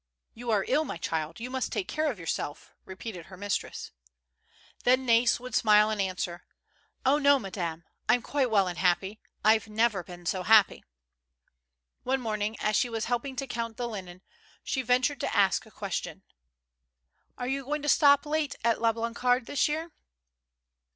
" You are ill, my child; you must take care of your self," repeated her mistress. THE LANDSLIP. 146 Then Nais would smile and answer: ''Oh, no, madame; I'm quite well and happy. IVe never been so happy." One morning, as she was helping to count the linen, she ventured to ask a question : "Are you going to stop late at La Blancarde this year